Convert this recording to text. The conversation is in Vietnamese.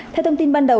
theo thông tin ban đầu